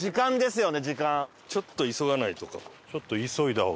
ちょっと急がないと。